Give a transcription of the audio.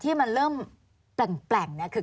ที่มันเริ่มแปลงคือ